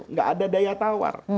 nggak ada daya tawar